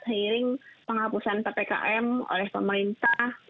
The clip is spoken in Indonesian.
seiring penghapusan ppkm oleh pemerintah